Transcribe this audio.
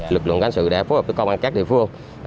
lực lượng cảnh sự đã phối hợp với công an các địa phương